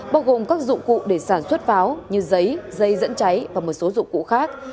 bao gồm các dụng cụ để sản xuất pháo như giấy dây dẫn cháy và một số dụng cụ khác